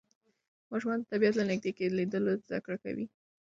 ماشومان د طبیعت له نږدې لیدلو زده کړه کوي